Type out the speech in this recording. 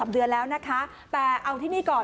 เดือนแล้วนะคะแต่เอาที่นี่ก่อน